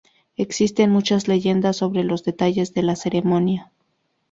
Existen muchas leyendas sobre los detalles de la ceremonia.